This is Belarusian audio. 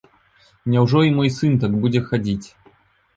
Няўжо і мой сын так будзе хадзіць?